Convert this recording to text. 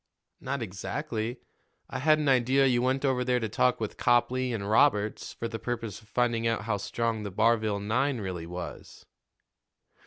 "Not exactly; I had an idea you went over there to talk with Copley and Roberts for the purpose of finding out how strong the Barville nine really was."